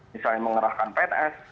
misalnya mengerahkan pns